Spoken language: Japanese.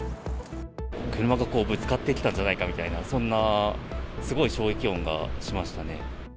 車がぶつかってきたんじゃないかみたいな、そんなすごい衝撃音がしましたね。